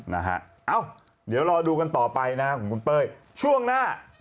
นะฮะเอ้าเดี๋ยวรอดูกันต่อไปนะของคุณเป้ยช่วงหน้า